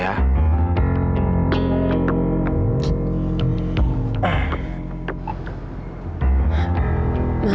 saya kekmin takut